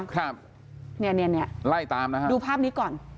ครับนี่ไล่ตามนะครับดูภาพนี้ก่อน